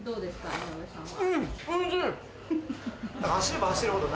井上さんは。